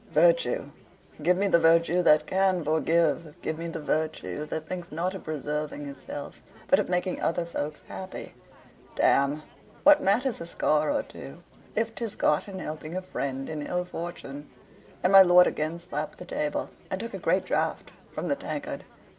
Virtue! give me the virtue that can forgive; give me the virtue that thinks not of preserving itself, but of making other folks happy. Damme, what matters a scar or two if 'tis got in helping a friend in ill fortune?" And my lord again slapped the table, and took a great draught from the tankard.